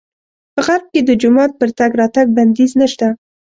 په غرب کې د جومات پر تګ راتګ بندیز نه شته.